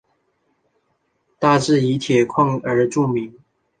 大冶以铁矿而著名。